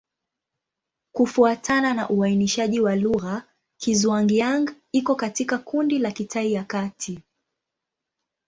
Kufuatana na uainishaji wa lugha, Kizhuang-Yang iko katika kundi la Kitai ya Kati.